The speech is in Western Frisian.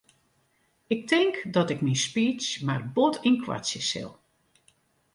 Ik tink dat ik myn speech mar bot ynkoartsje sil.